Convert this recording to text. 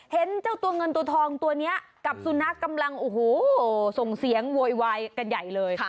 เห็นเจ้าตัวเงินตัวทองตัวนี้กับสุนัขกำลังโอ้โหส่งเสียงโวยวายกันใหญ่เลย